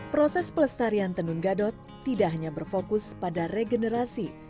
proses pelestarian tenun gadot tidak hanya berfokus pada regenerasi